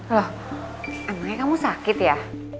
loh emangnya kamu sakit ya